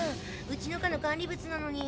うちの課の管理物なのに。